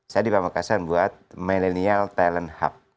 saya di pamekasan buat millennial talent hub